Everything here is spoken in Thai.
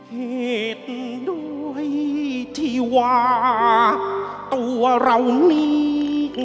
เหตุด้วยที่ว่าตัวเรานี้